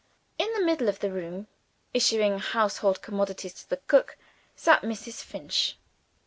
In the middle of the room (issuing household commodities to the cook) sat Mrs. Finch.